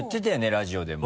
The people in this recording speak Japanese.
ラジオでも。